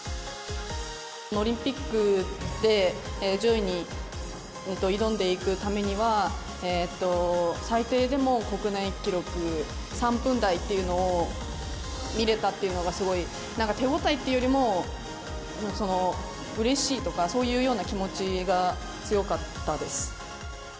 オリンピックで上位に挑んでいくためには、最低でも国内記録、３分台というのを見れたというのが、すごい、なんか手応えというよりも、うれしいとか、そういうような気持ちが強かったです。